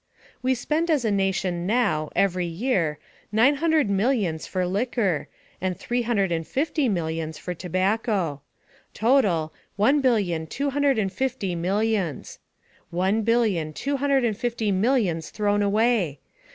We spend as a nation now, every year, NINE HUNDRED MILLIONS FOR LIQUOR and THREE HUNDRED and FIFTY MILLIONS for TOBACCO. Total, ONE BILLION, TWO HUNDRED and FIFTY MILLIONS. One billion, two hundred and fifty millions thrown away.